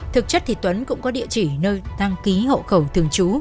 thực chất thì tuấn cũng có địa chỉ nơi tăng ký hộ khẩu